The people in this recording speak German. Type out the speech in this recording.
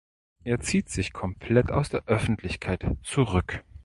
Er zieht sich komplett aus der Öffentlichkeit zurück.